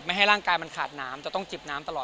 ให้ร่างกายมันขาดน้ำจะต้องจิบน้ำตลอด